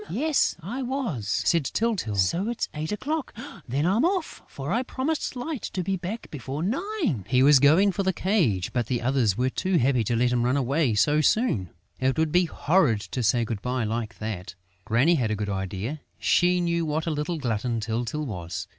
"Yes, I was," said Tyltyl. "So it's eight o'clock?... Then I'm off, for I promised Light to be back before nine...." He was going for the cage, but the others were too happy to let him run away so soon: it would be horrid to say good bye like that! Granny had a good idea: she knew what a little glutton Tyltyl was.